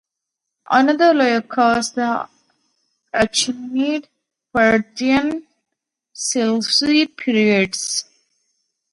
Another layer covers the Achamenid, Parthian and Seleucid periods.